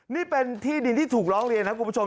นี่เป็นที่ดินที่ถูกร้องเรียนครับคุณผู้ชม